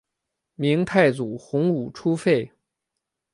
明太祖洪武初废。